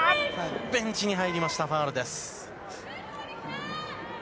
ベンチに入りました、ファウルです。